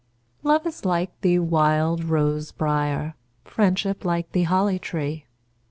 Love is like the wild rose briar; Friendship like the holly tree.